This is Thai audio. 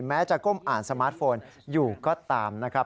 แม้จะก้มอ่านสมาร์ทโฟนอยู่ก็ตามนะครับ